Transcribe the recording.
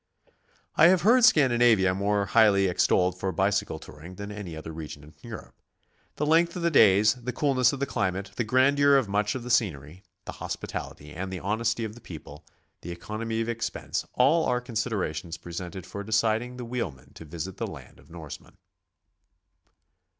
I have heard Scandinavia more highly extolled for bi cycle touring than any other region in Europe. The length of the days, the coolness of the climate, the grandeur of much of the scenery, the hospitality and honesty of the people, the economy of expense, — all are considerations pre sented for deciding the wheelman to visit the land of the Norseman.